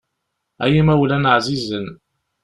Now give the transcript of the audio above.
Ay imawlan εzizen.